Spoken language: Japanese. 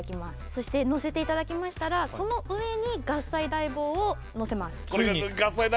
そしてのせていただきましたらその上に合菜戴帽をのせます